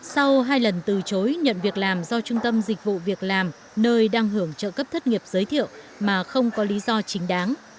sau hai lần từ chối nhận việc làm do trung tâm dịch vụ việc làm nơi đang hưởng trợ cấp thất nghiệp giới thiệu mà không có lý do chính đáng